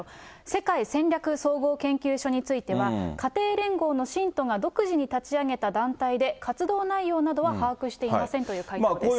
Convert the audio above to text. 世界戦略総合研究所については、家庭連合の信徒が独自に立ち上げた団体で、活動内容などは把握していませんという回答です。